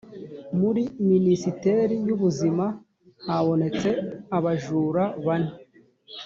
muri minisiteri y ubuzima habonetse abajura bane